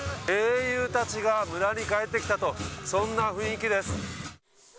英雄たちが村に帰ってきたと、そんな雰囲気です。